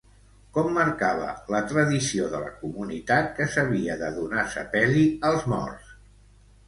Com marcava la tradició de la comunitat que s'havia de donar sepeli als morts?